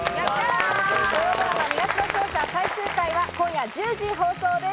土曜ドラマ『二月の勝者』最終回は今夜１０時放送です。